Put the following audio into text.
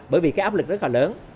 bởi vì cái áp lực rất là lớn